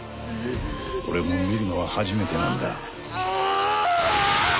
俺も見るのは初めてなんだ。